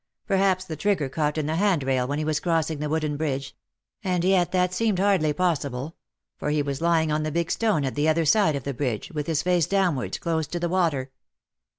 Perhaps the trigger caught in the hand rail when he was crossing the wooden bridge — and yet that seemed hardly possible — for he was lying on the big stone at the other side of the bridge, with his face downwards close to the water.